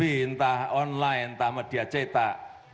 entah online entah media cetak